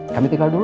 kami tinggal dulu